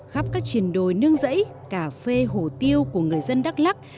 khắp các triển đồi nương rẫy cà phê hồ tiêu của người dân đắk lắc